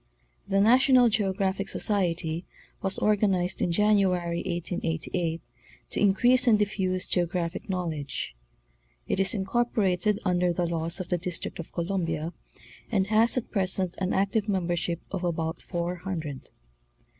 The Nationat GroGRAPHic Socrery was organized in January, 1888, '' to increase and diffuse geographic knowledge." It is in corporated under the laws of the District of Columbia, and has at present an active membership of about four hundred.